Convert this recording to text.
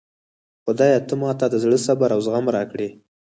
خدایه ته ماته د زړه صبر او زغم راکړي